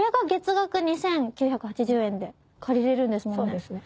そうですね。